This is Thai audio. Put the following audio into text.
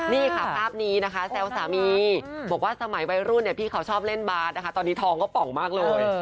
นี่ค่ะภาพนี้นะคะแซวสามีบอกว่าสมัยวัยรุ่นเนี่ยพี่เขาชอบเล่นบาสนะคะตอนนี้ทองก็ป่องมากเลย